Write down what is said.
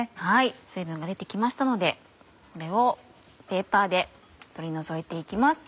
水分が出て来ましたのでこれをペーパーで取り除いて行きます。